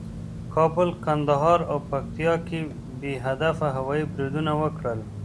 کابل، کندهار او پکتیکا کې بې هدفه هوایي بریدونه وکړل